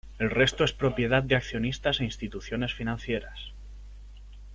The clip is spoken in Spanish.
El resto es propiedad de accionistas e instituciones financieras.